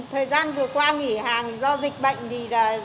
thời gian vừa qua nghỉ hàng do dịch bệnh thì là gia đình